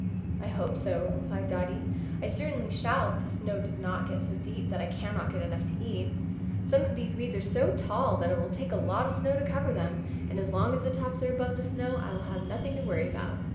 "I hope so," replied Dotty. "I certainly shall if the snow does not get so deep that I cannot get enough to eat. Some of these weeds are so tall that it will take a lot of snow to cover them, and as long as the tops are above the snow I will have nothing to worry about.